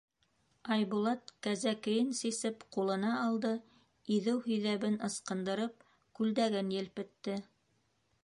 Айбулат кәзәкейен сисеп ҡулына алды, иҙеү һиҙәбен ысҡындырып, күлдәген елпетте.